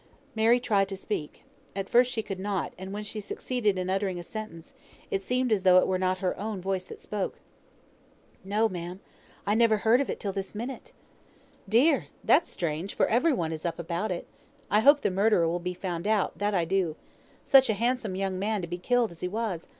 Mary tried to speak; at first she could not, and when she succeeded in uttering a sentence, it seemed as though it were not her own voice that spoke. "No, ma'am, I never heard of it till this minute." "Dear! that's strange, for every one is up about it. I hope the murderer will be found out, that I do. Such a handsome young man to be killed as he was.